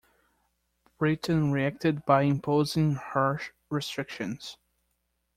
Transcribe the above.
Britain reacted by imposing harsh restrictions.